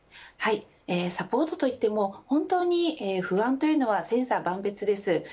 サポートと言っても本当に不安というのは千差万別です。